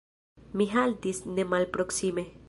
Mi haltis nemalproksime.